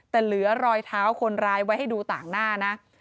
แต่เหลือรอยเท้าคนร้ายไว้ให้ดูต่างหน้านะ